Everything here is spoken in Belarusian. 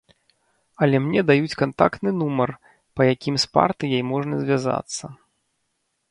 Але мне даюць кантактны нумар, па якім з партыяй можна звязацца.